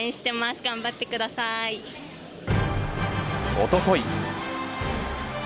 おととい。